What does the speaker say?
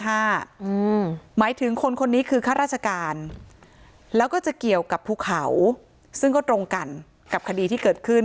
หมายถึงคนคนนี้คือข้าราชการแล้วก็จะเกี่ยวกับภูเขาซึ่งก็ตรงกันกับคดีที่เกิดขึ้น